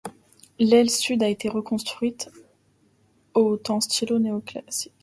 L'aile sud a été reconstruite au en style néo-classique.